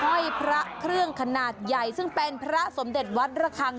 ห้อยพระเครื่องขนาดใหญ่ซึ่งเป็นพระสมเด็จวัดระคัง